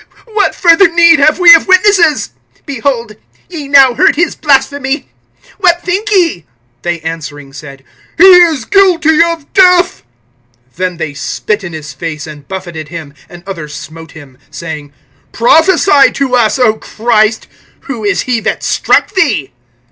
What further need have we of witnesses? Behold, ye now heard his blasphemy. (66)What think ye? They answering said: He is guilty of death. (67)Then they spit in his face, and buffeted him; and others smote him, (68)saying: Prophesy to us, O Christ, who is he that struck thee?